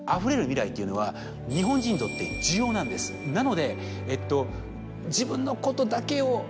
なのでえっと。